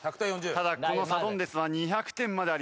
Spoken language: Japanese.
ただこのサドンデスは２００点まであります。